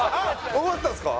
終わったんですか？